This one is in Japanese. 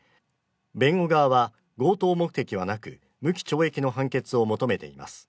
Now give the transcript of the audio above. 弁護側は強盗目的はなく、無期懲役の判決を求めています。